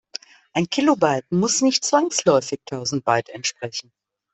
Ein Kilobyte muss nicht zwangsläufig tausend Byte entsprechen.